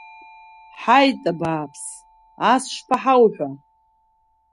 Ҳаит, абааԥс, ас шԥаҳауҳәа…